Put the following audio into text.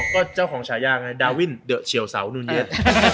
อ๋อก็เจ้าของชาย่างน่ะดาวินเดอะเชียวเสานูเนี๊ยส